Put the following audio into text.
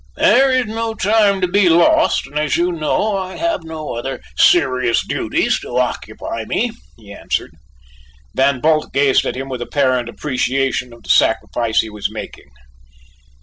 "There is no time to be lost and as you know I have no other serious duties to occupy me," he answered. Van Bult gazed at him with evident appreciation of the sacrifice he was making.